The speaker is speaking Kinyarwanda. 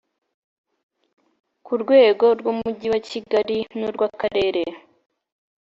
ku rwego rw umujyi wa kigali n urw akarere